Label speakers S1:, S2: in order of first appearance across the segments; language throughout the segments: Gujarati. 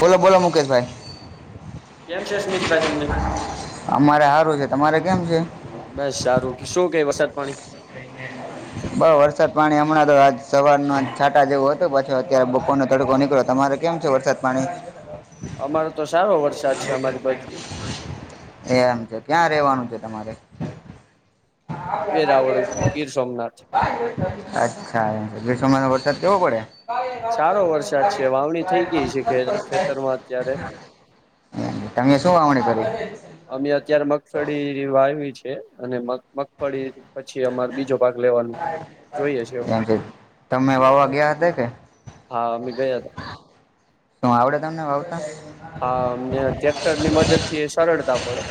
S1: બોલો બોલો મુકેશભાઈ
S2: કેમ છે સ્મિતભાઈ તમને
S1: અમારે હારું છે તમારે કેમ છે?
S2: બસ સારું શું ક વરસાદ પાણી
S1: બઉ વરસાદ પાણી હમણાં તો આ સવારના છાંટા જેવો હતો પાછો અત્યારે બપોર નો તડકો નીકળો તમારે કેમ છે વરસાદ પાણી
S2: અમારો તો સારો વરસાદ છે અમારી બાજુ
S1: એમ છે ક્યાં રેવાનું છે તમારે?
S2: વેરાવળ ગીર સોમનાથ
S1: [unintelligible] અચ્છા [unintelligible] સર કેવો
S2: સારો વરસાદ
S1: પડ્યા.
S2: છે વાવણી થઈ ગઈ છે ખે ખેતરમાં અત્યારે
S1: [inaudible] તમે શું વાવણી કર્યું?
S2: અમે અત્યારે મગફળી વા આવી છે અને મગ મગફળી પછી અમાર બીજો ભાગ લેવાનો જોઈએ છે
S1: નવ વાગે આયા હતા કે
S2: હા મેં ગયા હતા
S1: શું આવડે તમને વાવતા
S2: હા અમને ટ્રેક્ટર ની મદદ થી એ સરળતા પડે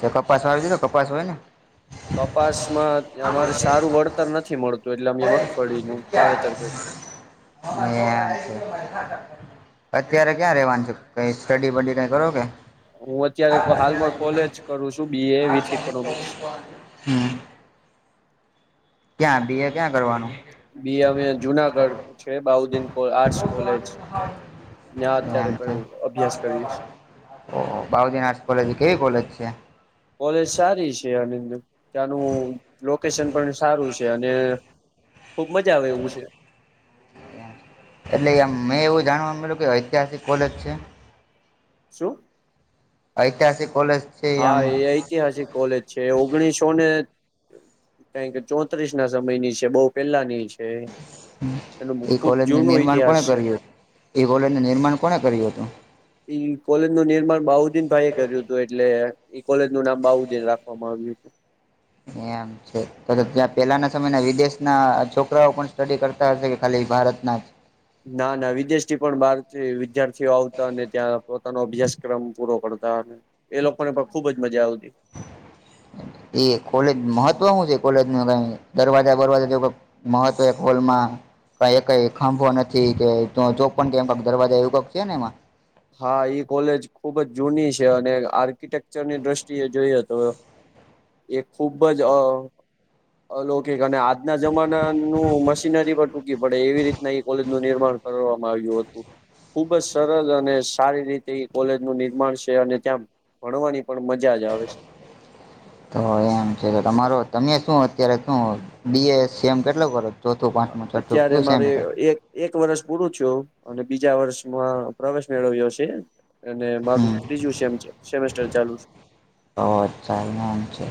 S1: એછ કપાસ વાળી દીજો કપાસ હોય ને
S2: કપાસમાં અમારે સારું વળતર નથી મળતું એટલે
S1: [inaudible]
S2: અમે
S1: એ
S2: મગફળીનું
S1: છે
S2: વાવેતર કર્યું
S1: અત્યારે ક્યાં રેવાનું છે કઈ સ્ટડી બડી કઈ કરો કે [inaudible]
S2: હું અત્યારે હાલમાં કોલેજ કરું છું બી એ વિથ ઇકોનોમિક્સ
S1: ક્યાં બીએ ક્યાં કરવાનું
S2: બી અ જુનાગઢ છે બાઉદદીન આર્ટ કોલેજ ્યા અત્યારે
S1: એમ
S2: ક
S1: છે
S2: અભ્યાસ કરી
S1: બાઉદ આર્ટસ કોલેજ કેવી કોલેજ છે
S2: કોલેજ સારી છે અને ત્યાં નું લોકેશન પણ સારું છે અને ખુબ મજા આવે એવું છે
S1: એટલે આમ મેં એવું જાણવા મળ્યું કે ઐતિહાસિક કોલેજ છે
S2: શું
S1: ઐતિહાસિક કોલેજ છે
S2: હા
S1: આમ
S2: એ ઐતિહાસિક કોલેજ છે ઓગણીસો ને કારણ કે ચોત્રીસ ના સમયની છે બહુ પેલાની છે એનો
S1: એ
S2: ખુબ
S1: કોલેજ નું
S2: જૂનો
S1: નિર્માણ કોને
S2: ઇતિહાસ છે
S1: કર્યું એ કોલેજનું નિર્માણ કોણે કર્યું હતું
S2: ઈ કોલેજ નું નિર્માણ બાહુદીન ભાઈ એ કર્યું હતું એટલે ઈ કોલેજ નું નામ બાહુદ્દીન રાખવામાં આવ્યું હતું
S1: એમ છે તો ત્યાં પેલાના સમયના વિદેશ ના છોકરાઓ પણ સ્ટડી કરતા હશે કે ખાલી ભારતના જ
S2: ના ના વિદેશથી પણ બહાર થી વિદ્યાર્થીઓ આવતા અને ત્યાં પોતા પોતાનો અભ્યાસક્રમ પૂરો કરતા અને એ લોકો ને પણ ખુબ જ મજા આવતી
S1: એ કોલેજ મહત્વનું છે કોલેજમાં કઈ દરવાજા બરવાજા જેવુ મહત્વ એક હોલમાં કઈ કઈ ખાંભો નથી કે જો પણ ચોપન કે એમ કઈ દરવાજા એવું કઈક છે ને એમાં
S2: હા ઈ કોલેજ ખુબ જ જૂની છે અને આર્કિટેક્ચરની દ્રષ્ટિએ જોઈએ તો એ ખુબ જ અ અલૌકિક અને આજના જમાના નું મશીનરી પણ ટૂંકી પડે એવી રીતના એ કોલેજનું નિર્માણ કરવામાં આવ્યું હતું ખુબ જ સરળ અને સારી રીતે કોલેજનું નિર્માણ છે અને ત્યાં ભણવાની પણ મજા જ આવે છે
S1: તો એમ છે તો તમારો તમે શું અત્યારે શું ડીએસ સેમ કેટલો કરો ચોથું પાંચમું છઠ્ઠું
S2: અત્યારે
S1: કયું સેમ
S2: મારે
S1: હતા
S2: એક એક વર્ષ પૂરું થયું અને બીજા વર્ષમાં પ્રવેશ મેળવ્યો છે અને મારું
S1: હમ
S2: ત્રીજું સેમ છે સેમેસ્ટર ચાલુ
S1: અછા એમ છે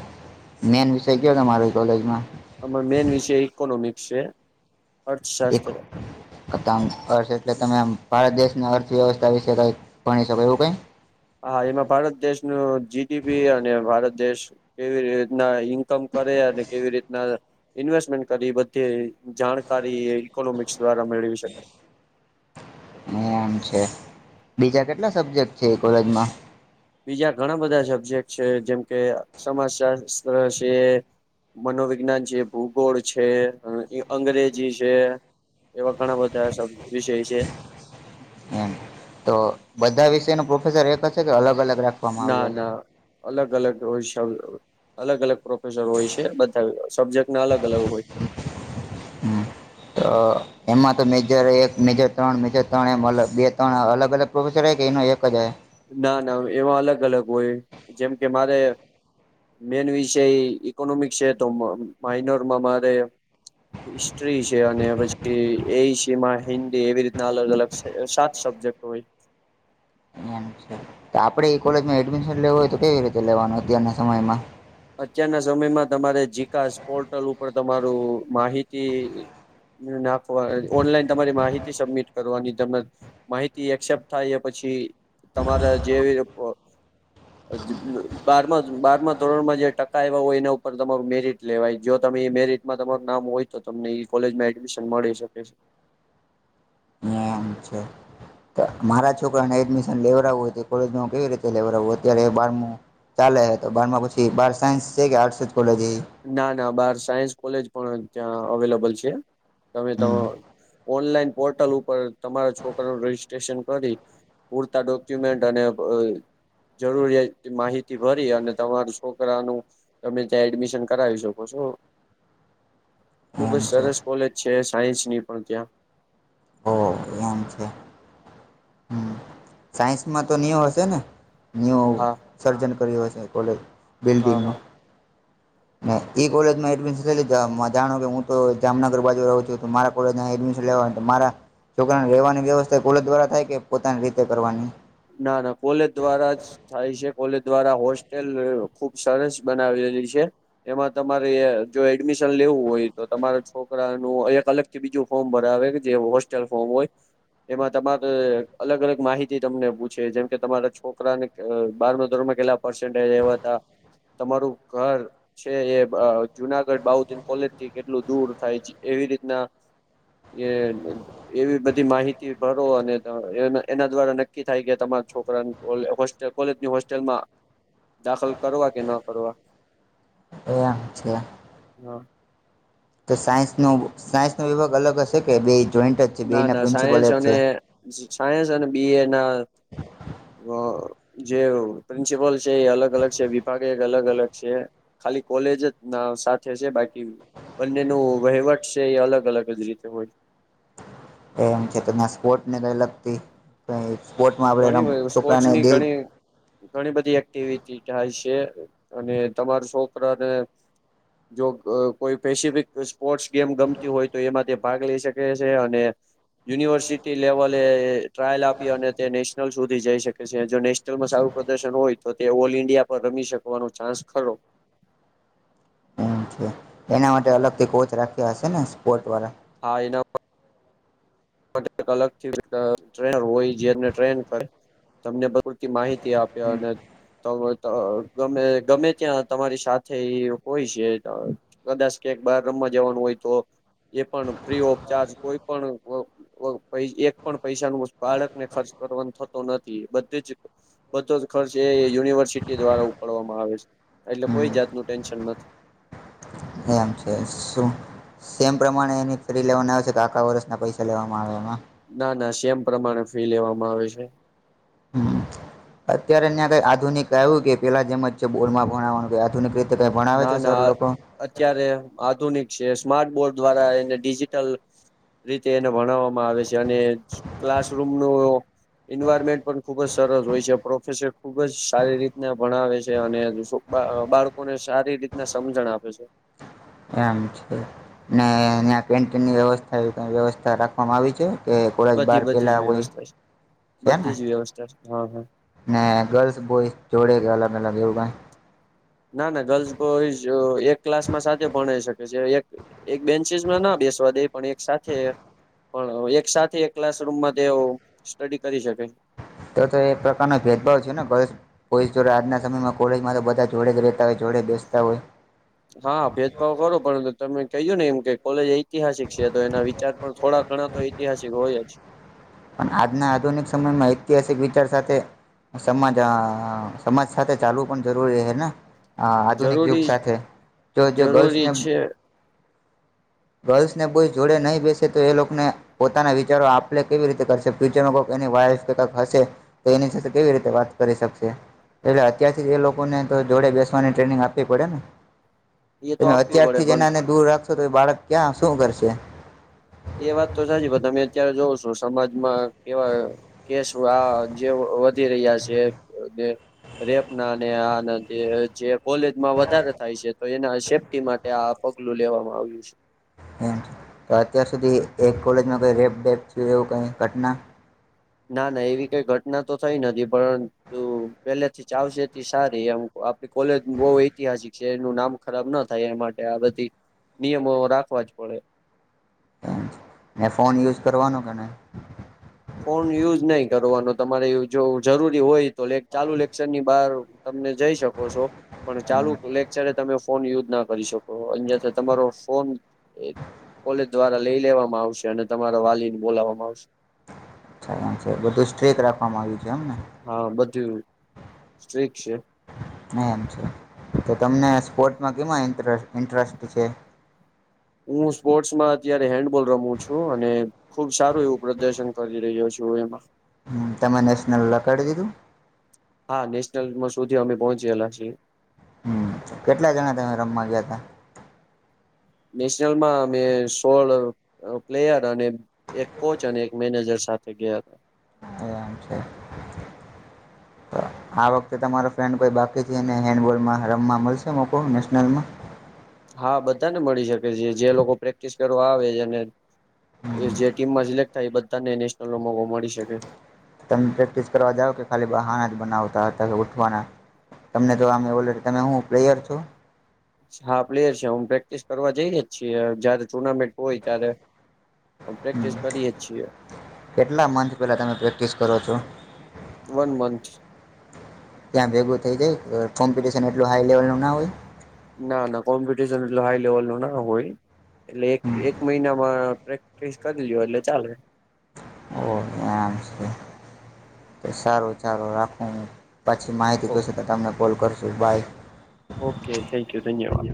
S1: મેન વિષય કયો તમારી કોલેજમાં
S2: અમારો મેન વિષય ઇકોનોમિક્સ છે
S1: એક
S2: અર્થશાસ્ત્ર
S1: અથંત અર્થ એટલે તમે ભારત દેશનો અર્થ વ્યવસ્થા વિશે કઈ ભણી શકો એવું કઈ
S2: હા એમાં ભારત દેશનું જીડીપી અને ભારત દેશ કેવી રીતના ઈ ઇન્કમ કરે અને કેવી રીતના ઇન્વેસ્ટમેન્ટ કરી બધી જાણકારી ઈકોનોમિક્સ દ્વારા મેળવી શકાય
S1: આમ છે બીજા કેટલા સબ્જેક્ટ છે એ કોલેજમાં
S2: બીજા ઘણા બધા સબ્જેક્ટ છે જેમકે સમાજશાસ્ત્ર છે મનોવિજ્ઞાન છે ભૂગોળ છે અંગ અંગ્રેજી છે એવા ઘણા બધા સબ વિષય છે
S1: હા તો બધા વિષય ના પ્રોફેસર એક છે કે અલગ અલગ રાખવામાં
S2: ના
S1: આવ્યા છે
S2: ના અલગ અલગ હોય શબ અલગ અલગ પ્રોફેસર હોય છે બધા સબ્જેક્ટ ના અલગ અલગ હોય
S1: હમ તો એમાં તો મેજર એક મેજર ત્રણ મેજર ત્રણ એમ અલગ બે ત્રણ અલગ અલગ પ્રોફેસર રહે કે એનો એક જ હોય
S2: ના ના એમાં અલગ અલગ હોય જેમ કે મારે મેન વિષય ઇકોનોમિક છે તો માઇનોરમાં મારે ટ્રી છે અને [unintelligible] એ સી માં હિન્દી એવી રીતના અલગ અલગ છે સાત સબ્જેક્ટ હોય
S1: એમ તો આપડે એ કોલેજમાં એડમિશન લેવું હોય તો કેવી રીતે લેવાનું અત્યારના સમયમાં
S2: અત્યારના સમયમાં તમારે જિકાસ પોર્ટલ ઉપર તમારું માહિતી નાખવા ઓનલાઈન તમારી માહિતી સબમિટ કરવાની તમને માહિતી એક્સેપ્ટ થાય પછી પ તમારા જેવી બાર બારમાં ધોરણમાં જે ટકા એવા હોય એના ઉપર તમા મેરિટ લેવાય જો તમે એ મેરટમાં તમારું નામ હોય તો તમને કોલેજમાં એશ મળી શકે છે
S1: ં અમ છેો મારા છોકરાને એડમિશન લેવડું કોલેજમાં કેવી રીતે લેવડાવવું અત્યારે બાર ચાલે હ તો બારમાં પછી બાર સાયન્સ છે કે આર્ટ
S2: ના ના બાર સાયન્સ કોલેજ પણ ત્યાં અવેલેબલ છે તમે તો
S1: હમ
S2: ઓનલાઈન પોર્ટલ ઉપર તમારા છોકું રજિસ્ટ્રેશન કરી પૂરતા ડોક્યુમેન્ટ અને જરૂરિયા માહિતી ભરી અને તમારું છોકરાનું તમે ત્યાં એડમિશન કરાવી શકો છો ખુબ જ
S1: એમ છે
S2: સરસ કોલેજ છે છે સાયન્સ ની પણ ત્યાં
S1: ઓ એમ છે હમ સાયન્સમાં તો ન્યૂ હશે ને ન્યુ
S2: હા
S1: સર્જન કર્યું હશે કોલેજ
S2: હા
S1: બિલ્ડીિંગો
S2: હા
S1: ને ઈ કોલેજમાં એડમિશન લઈ લીધ જાણો કે હું તો જામનગર બાજુ રહું છું તો મારા કોલેજમાં એડમિશન લેવા મારા છોકરાને રેવાની વ્યવસ્થા કોલ દ્વારા થાય કે પોતાની રીતે કરવાની
S2: ના ના કોલેજ દ્વારા જ થાય છે કોલેજ દ્વારા હોસ્ટેલ ખુબ સરસ બનાવેલી છે એમાં તમારે જો એડમિશન લેવું હોય તો તમારે છોકરાનું એક અલગથી બીજું ફોર્મ ભરાવે જે હોસ્ટેલ ફોર્મ હોય એમાં તમારે અલગ અલગ માહિતી તમને જેમ કે તમારા છોકરાને બારમ ધોરણ કેટલા પર્વા તમારું ઘર છે એ જુનાગઢ બાહુદન કોલેજ થી કેટલું દૂર થાય છે એવી રીતના એ એવી બધી માહિતી ભરો અને એના દ્વારા નક્કી થાય ગયા તમારા છોકરા હોલ કોલેજની હોસ્ટેલમાં દાખલ કરવા કે ન કરવા
S1: એમ છે
S2: હા
S1: તો સાયન્સ ન સાયન્સનોો વિભાગ અલગ હશે કે બે જોઈન્ટ જ છે
S2: ના
S1: બેના
S2: ના
S1: પ્રિન્સિપલ
S2: સાયન્સ
S1: એક
S2: અને
S1: છે
S2: સાયન્સ અને બી એ ના જે પ્રિન્સિપલ છે એ અલગ અલગ છે વિભાગે અલગ અલગ છે ખાલી કોલેજ જ સાથે છે બાકી બંને ન વહીવટ છે એ અલગ અલગ જ રીતે હોય
S1: એમ છે તમે આ સ્પોટ ને કઈ લગતી સ્પોર્ટમાં આપણે
S2: ઘણી
S1: રમ
S2: બધી
S1: છોકરાને
S2: સ્પોર્ટસની
S1: દિલ
S2: ઘણી ઘણી બધી એક્ટિવિટી થાય અને તમાર છોકરાને જો અ કોઈ સ્પેસિફિક સ્પોર્ટ્સ ગેમ ગમતી હોય તો એમાં તે ભાગ લઈ શકે છે, અને યુનિવર્સિટી લેવલે ટ્રાયલ આપી અને તે નેશનલ સુધી જઈ શકે છે, જો નેશનલમાં સારું પ્રદર્શન હોય તો તે ઓલ ઇન્ડિયા પર રમી શકવાનો ચાન્સ ખરો.
S1: હા. એના માટે અલગથી કોચ રાખ્ય હશે ને સ્પોર્ટ વાળા
S2: હા એના અલગથી અ ટ્રેનર હોય જેને ટ્રેન તમને બધ માહિત તી આપે અને તમેતો ગમે ગમે ત્યાં તમારી સાથે ઈ હોય છે, કદાચ કે બાર રમા જવાનું હોય તો એ પણ ફ્રી ઓફ ચાર્જ કોઈ પણ વગ એક પણ પૈસાનુ વસ બાળકને ખર્ચ કરવાનો થતો નથી બધે જ બધો ખર્ચ એ યુનિવર્સિટી દ્વારા ઉપાડવામાં આવે છે, એટલે કોઈ
S1: હમ
S2: જાતનું ટેન્શન નથી
S1: એમ છે, શું સેમ પ્રમાણે એની ફ્રી લેવાના આવે છે, કે આખા વર્ષના પૈસા લેવામાં આવે એમાં
S2: ના ના સેમ પ્રમાણે ફી લેવામાં આવે છે.
S1: અત્યારેં ન્યા કઈ આધુનિક આવ્યું કે પેલા જેમ જ છે, બોલમાં ભણવાનું આધુિક રીતે તે કંઈ ભણાવ
S2: ના
S1: છે, સર
S2: ના
S1: લોકો
S2: અત્યારે આધુનિક છે, સ્માર્ટ બોર્ડ દ્વારા એને ડિજિટલ રીતે એને ભણવામાં આવે છે, અને ક્લાસરૂમનો એન્વાયરમેન્ટ પણ ખુબ જ સરસ હોય છે, પ્રોફેસર ખુબ જ સારી રીતના ભણાવે છે, અને બા અ બાળકોને સારી રીતના સમજણ આપે છે.
S1: એમ છે ને એના પેન્ટ વ્યવસ્થા એવી કંઈ વ્યવસ્થા રાખવામાં આવી છે. કે કોલેજ
S2: બધી
S1: બાર
S2: બધી જ
S1: પેલા હોય
S2: વ્યવસ્થા છે
S1: છે, ને
S2: બધી જ વ્યવસ્થા છે હા હા
S1: ને ગર્લ્સ બોયઝ જોડે કંઈ અલગ અલગ એવું કંઈ
S2: ના ના ગર્લ્સ બોઈઝ અ એક ક્લાસમાં સાથે ભણાઈ શકે છે એક બેન્ચીસમાં ના એ સ્વાદ એ પણ એક સાથે પણ એક સાથે એક ક્લાસરૂમાં તેઓ સ્ટડી કરી શકે
S1: તો તો એ પ્રકાર નો ભેદભાવ છે, ને ગર્લ્સ બોઈઝ જોડે આજના સમયમાં કોલેજમાં તો બધા જોડે જ રહે
S2: હા ભેદભાવ કરો પણ તમે કહ્યું ને એમ કે કોલેજ ઐતિહાસિક છે, તો એના વિચાર પણ થોડા ઘણા તો ઐતિહાસિક હોય જ
S1: પણ આજના આધુનિક સમયમાં ઐતિહાસિક વિચાર સાથે સમાજ અ સમાજ સાથે ચાલવું પણ જરૂરી હે ને હ આધુનિક યુગ
S2: જરૂરી
S1: સાથે જો જે
S2: જરૂરી
S1: ગર્લ્સને
S2: છે
S1: ગર્લ્સ ને બોયઝ જોડે નહીં બેસે તો એ લોકોને પોતાના વિચારો આપલે કેવી રીતે કરશે ફ્યુચરમાં કોક એની વાઈફ તો કંઈક હશે તો એની સાથે કેવી રીતે વાત કરી શકશે એટલે અત્યારથી જ એ લોકોને તો જોડે બેસવાની ટ્રેનિંગ આપવી પડે ને
S2: એ તો
S1: તમે
S2: આપવી પડે
S1: અત્યારથી જ
S2: પણ
S1: એનાને દૂર રાખશો તો એ બાળક ક્યાં શું કરશે
S2: એ વાત તો સાચી પણ તમે અત્યારે જોવ છો સમાજમાં કેવા કેસવા જે વધી રહ્યા છે. રેપના અને આના જે કોલેજમાં વધારે થાય છે, તો એના સેફ્ટી માટે આ પગલું લેવામાં આવ્યું છે.
S1: તો અત્યાર સુધી એક કોલેજમાં કોઈ રેપડેપ થીયુ એવું કઈ ઘટના
S2: ના ના એવી કઈ ઘટના તો થઈ નથી પરંતુ પેલેથી ચ આવશે તે સારી એમ કોલેજ બોવ ઐતિહાસિક જેનું નામ ખરાબ ન થાય એ માટે આ બધી નિયમો રાખવા જ પડે
S1: ને ફોન યુઝ કરવાનો કે નય
S2: ફોન યુઝ નહી કરવાનો તમારે જો જરૂરી હોય તો લેક ચાલુ લેક્ચર ની બહાર તમને જઈ શકો છો પણ ચાલુ લેક્ચરે તમે ફોન યુઝ ના કરી શકો અહિયાથી તમારો ફોન એક કોલેજ દ્વારા લઈ લેવામાં આવશે અને તમારા વાલીન બોલાવામાં આવશે.
S1: ચ્છા આમ છે બધું સ્ટ્રેટ રાખવામાં આવ્યુ છે એમ ને.
S2: હા બધું સ્ટ્રીક છે.
S1: ને એમ છે તો તમને સ્પોર્ટમાં કેમાં ઇન્ટરસ ઇન્ટરસ્ટ છે.
S2: હું સ્પોર્ટ્સમાં અત્યારે હેન્ડબોલ રમું છું અને ખુબ સારું એવું પ્રદર્શન કરી રહ્યો છું. જો એમાં
S1: હમ, તમે નેશનલ લા કાડી દીધું.
S2: હા, નેશનલમાં સુધી અમે પહોંચેલા છીએ.
S1: હમ, કેટલા જણા તમે રમવા ગ્યાતા.
S2: નેશનલ માં અમે સોળ અ પ્લેયર અને એક કોચ અને મેનેજર સાથે ગ્યા હતા.
S1: એમ છે તો આ વખતે તમારો ફ્રેન્ડ કોઈ બાકી છેને હેન્ડબોલમાં રમવા મળશે મોકો નેશનલમાં.
S2: હા બધાને મળી શકે છે જે લોકો પ્રેક્ટિસ કરવા આવે છેને એ જે ટીમમાં સિલેક્ટ થાય એ બધાને નેશનલ મોકો મળી શકે.
S1: તમે પ્રેક્ટિસ કરવા જાવ કે ખાલી બહાના જ બનાવતા હતા કે ઉઠવાના. તમને તો આમે બોલો કે તમે હું પ્લેયર છો.
S2: હા, પ્લેયર છે હું પ્રેક્ટિસ કરવા જઈએ છીએ જયારે ટુર્નામેન્ટ હોય ત્યારે પ્રેક્ટિસ
S1: હમ
S2: કરીએ જ છીએ
S1: કેટલા મંથ પેલા તમે પ્રેક્ટિસ કરો છો?
S2: One month.
S1: ત્યાં ભેગું થઈ જાય અ કોમ્પિટશન એટલું હાઈ લેવલ નું ના હોય?
S2: ના ના કોમ્પિટશન એટલુ હાઈ લેવલ નું ના હોય એટલે એક એક મહિનામાં પ્રેક્ટિસ કરી લ્યો એટલે ચાલે.
S1: ઓ આમ છે સારું સારું રાખું. પછી માહિતી જોશે તો તમને કોલ કરશું બાય.
S2: ઓકે થેન્ક યુ ધન્યવાદ.